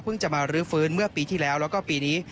จะมารื้อฟื้นเมื่อปีที่แล้วแล้วก็ปีนี้